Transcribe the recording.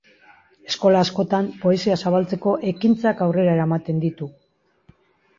Eskola askotan poesia zabaltzeko ekintzak aurrera eramaten ditu.